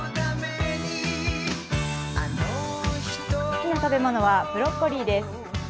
好きな食べ物はブロッコリーです。